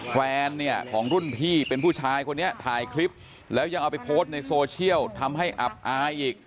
แฟนเนี่ยของรุ่นพี่เป็นผู้ชายคนนี้ถ่ายคลิปแล้วยังเอาไปโพสต์ในโซเชียลทำให้อับอายอีก